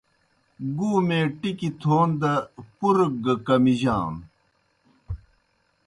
گُومے ٹِکیْ تھون دہ پُرگ گہ کمِجانوْ۔